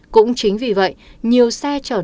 cũng chính vì vậy nhiều xe trở nông sản